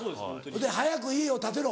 で「早く家を建てろ。